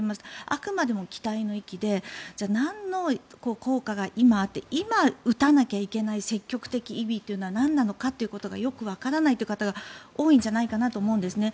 あくまでも期待の域でじゃあ、なんの効果が今あって今、打たなきゃいけない積極的意義がなんなのかということがよくわからないという方が多いんじゃないかなと思うんですね。